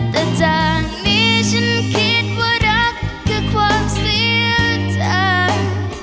แต่จากนี้ฉันคิดว่ารักคือความเสียใจ